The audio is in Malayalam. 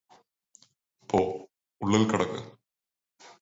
പോ ഉള്ളില് കടക്ക്